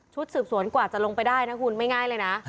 สืบสวนกว่าจะลงไปได้นะคุณไม่ง่ายเลยนะ